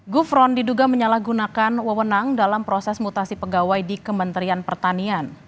gufron diduga menyalahgunakan wewenang dalam proses mutasi pegawai di kementerian pertanian